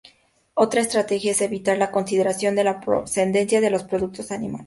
Otra estrategia es evitar la consideración de la procedencia de los productos animales.